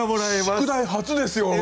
宿題初ですよ。